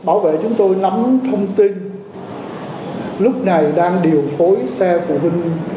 bảo vệ chúng tôi nắm thông tin lúc này đang điều phối xe phụ huynh